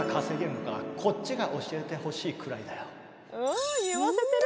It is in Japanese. おぉ言わせてる。